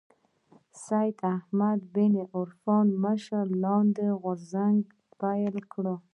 سید احمد بن عرفان مشرۍ لاندې غورځنګ پيل کړ